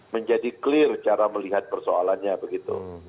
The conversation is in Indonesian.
menjadi clear cara melihat persoalannya begitu